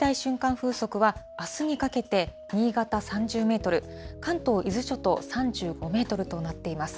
風速はあすにかけて、新潟３０メートル、関東、伊豆諸島３５メートルとなっています。